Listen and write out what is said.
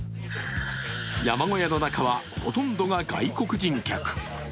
山小屋の中はほとんどが外国人客。